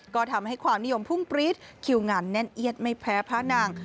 ก็ทำให้ความนิยมพุ่งปรี๊ดคิวงานแน่นเอียดไม่แพ้พระนาง